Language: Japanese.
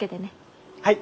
はい！